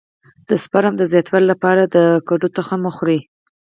د سپرم د زیاتوالي لپاره د کدو تخم وخورئ